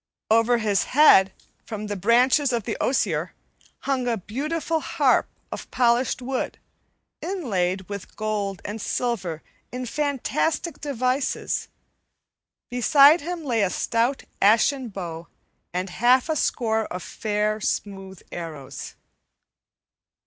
Over his head, from the branches of the osier, hung a beautiful harp of polished wood inlaid with gold and silver in fantastic devices. Beside him lay a stout ashen bow and half a score of fair, smooth arrows.